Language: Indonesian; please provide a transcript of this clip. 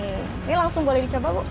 ini langsung boleh dicoba bu